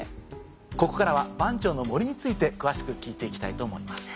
ここからは番町の森について詳しく聞いて行きたいと思います。